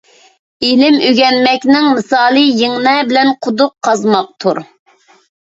ئىلىم ئۆگەنمەكنىڭ مىسالى يىڭنە بىلەن قۇدۇق قازماقتۇر.